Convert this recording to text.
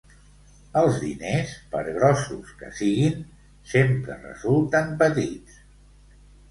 Els diners, per grossos que siguin, sempre resulten petits.